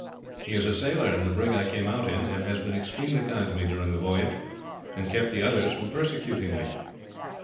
"He is a sailor in the brig I came out in, and has been extremely kind to me during the voyage, and kept the others from persecuting me."